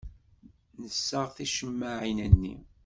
Nessaɣ ticemmaɛin-nni.